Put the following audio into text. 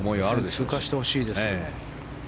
通過してほしいですよ。